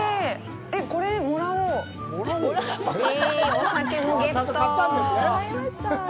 お酒もゲット。